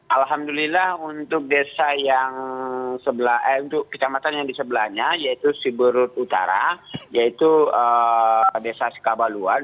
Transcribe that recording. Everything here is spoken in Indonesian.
alhamdulillah untuk desa yang sebelah untuk kitarmatan yang di sebelahnya yaitu siburut utara yaitu desa sikabaluan